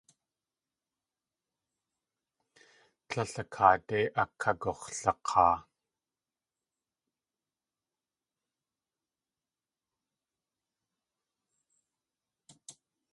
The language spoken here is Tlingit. Tlél a kaadé akagux̲lak̲aa.